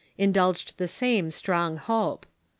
indulged the same strong hope.